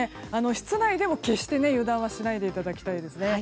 室内でも決して油断はしないでいただきたいですね。